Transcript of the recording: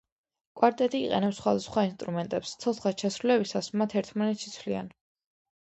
კვარტეტი იყენებს სხვადასხვა ინსტრუმენტებს, ცოცხლად შესრულებისას მათ ერთმანეთში ცვლიან.